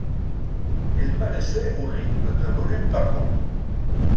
Elle paraissait au rythme d'un volume par mois.